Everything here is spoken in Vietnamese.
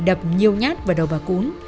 đập nhiều nhát vào đầu bà cún